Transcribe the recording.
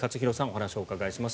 お話をお伺いします。